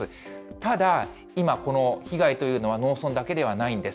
ただ、今、この被害というのは、農村だけではないんです。